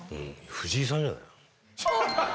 藤井さんじゃないの？